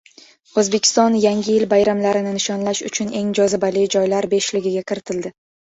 O‘zbekiston yangi yil bayramlarini nishonlash uchun eng jozibali joylar beshligiga kiritildi